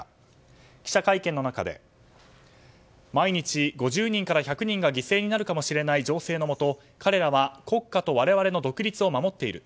記者会見の中で毎日５０人から１００人が犠牲になるかもしれない情勢のもと彼らは国家と我々の独立を守っている。